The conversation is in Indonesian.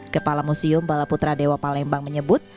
kepala museum bala putra dewa palembang menyebut